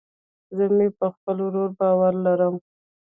زه مې په خپل ورور باور لرم